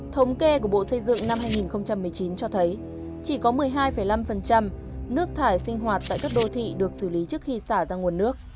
thống kê của bộ xây dựng năm hai nghìn một mươi chín cho thấy chỉ có một mươi hai năm nước thải sinh hoạt tại các đô thị được xử lý trước khi xả ra nguồn nước